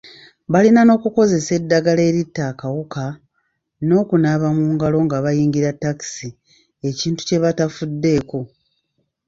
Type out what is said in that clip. Balina n’okukuzesa eddagala eritta akawuka, n’okunaaba mu ngalo nga bayingira takisi ekintu kye batafuddeko.